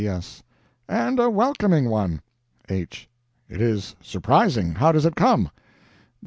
G.S. And a welcoming one. H. It is surprising. How does it come?